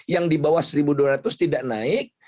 yang di bawah satu dua ratus tidak naik